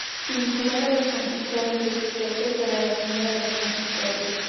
Vinculada a los constructores y arquitectos, era la "Señora de los constructores".